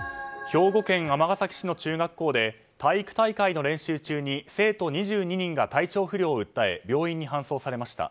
兵庫県尼崎市の中学校で体育大会の練習中に生徒２２人が体調不良を訴え病院に搬送されました。